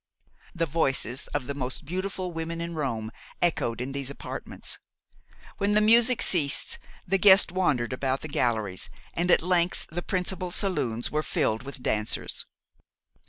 The voices of the most beautiful women in Rome echoed in those apartments. When the music ceased, the guests wandered about the galleries, and at length the principal saloons were filled with dancers.